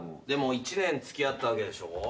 でも１年付き合ったわけでしょ？